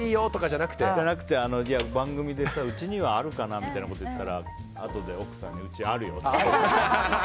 じゃなくて、番組でさうちにはあるかなみたいなこと言ったらあとで、奥さんにうちにあるよって。